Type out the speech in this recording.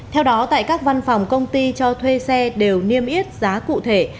theo đó tại các văn phòng công ty cho thuê xe đều niêm yết giá cụ thể